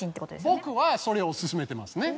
僕はそれを薦めてますね。